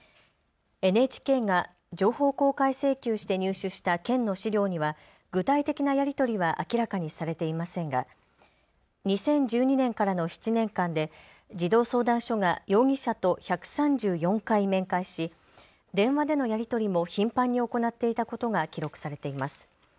ＮＨＫが情報公開請求して入手した県の資料には具体的なやり取りは明らかにされていませんが２０１２年からの７年間で児童相談所が容疑者と１３４回面会し電話でのやり取りも頻繁に行っていたことが記録されています。